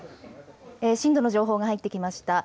震度の情報が入ってきました。